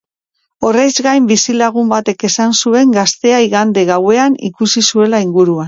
Horrez gain, bizilagun batek esan zuen gaztea igande gauean ikusi zuela inguruan.